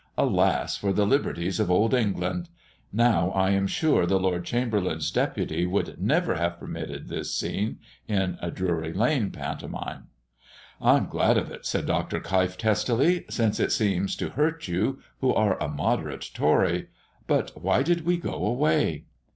Alas, for the liberties of Old England! Now I am sure the Lord Chamberlain's deputy would never have permitted this scene in a Drury lane pantomime." "I'm glad of it," said Dr. Keif, testily, "since it seems to hurt you, who are a moderate Tory. But why did we go away?"